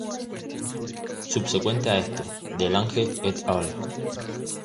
Subsecuente a esto, de Lange et al.